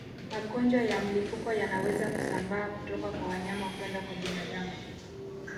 Magonjwa ya mlipuko yanaweza kusambaa kutoka kwa wanyama kwenda kwa binadamu